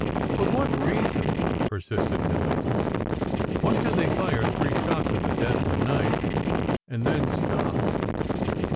"But what reason?" persisted Milly. "Why should they fire three shots in the dead of the night, and then stop?"